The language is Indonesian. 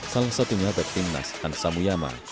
salah satunya back tim nas hansamuyama